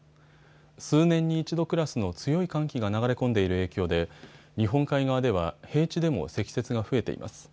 数年に一度クラスの強い寒気が流れ込んでいる影響で日本海側では平地でも積雪が増えています。